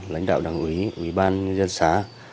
lãnh đạo đảng ủy ủy ban dân xã